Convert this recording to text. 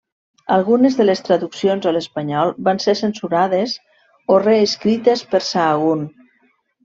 Algunes de les traduccions a l'espanyol van ser censurades o reescrites per Sahagún.